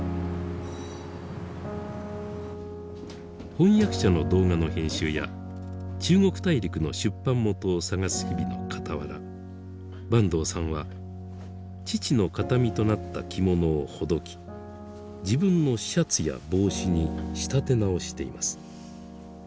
翻訳者の動画の編集や中国大陸の出版元を探す日々のかたわら坂東さんは父の形見となった着物をほどき自分のシャツや帽子に仕立て直しています。